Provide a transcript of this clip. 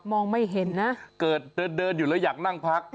มองไม่เห็นนะเกิดเดินเดินอยู่แล้วอยากนั่งพัก